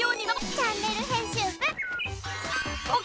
チャンネル編集部」へ！